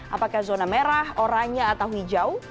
apakah zona merah oranye atau hijau